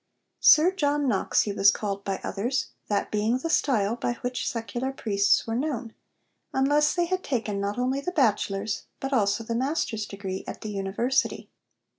'Sir John Knox' he was called by others, that being the style by which secular priests were known, unless they had taken not only the bachelor's but also the master's degree at the University.